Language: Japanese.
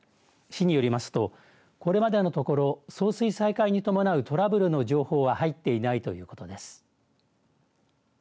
市によりますとこれまでのところ送水再開に伴うトラブルの情報は入っていないということです。